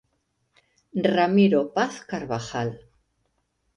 Ramiro Paz Carbajal.